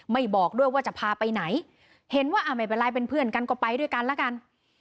บอกด้วยว่าจะพาไปไหนเห็นว่าไม่เป็นไรเป็นเพื่อนกันก็ไปด้วยกันแล้วกัน